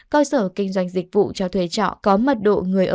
cơ sở kinh doanh dịch vụ cho thuê trọ có mật độ người ở